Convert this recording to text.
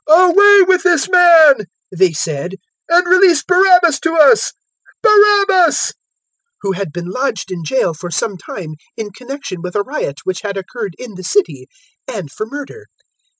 "Away with this man," they said, "and release Barabbas to us" 023:019 Barabbas! who had been lodged in jail for some time in connexion with a riot which had occurred in the city, and for murder.